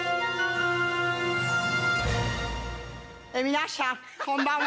皆さんこんばんは。